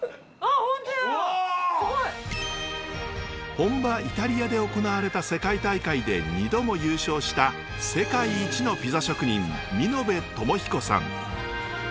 本場イタリアで行われた世界大会で２度も優勝した世界一のピザ職人美延智彦さん。